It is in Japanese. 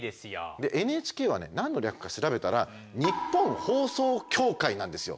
でＮＨＫはね何の略か調べたら日本放送協会なんですよ。